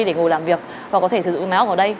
để ngồi làm việc và có thể sử dụng máy móc ở đây